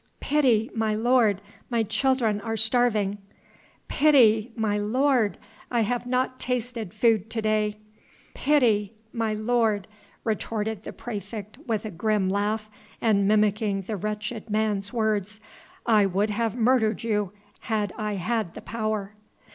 "Pity, my lord, my children are starving...." "Pity, my lord, I have not tasted food to day " "Pity, my lord!" retorted the praefect with a grim laugh, and mimicking the wretched man's words, "I would have murdered you had I had the power."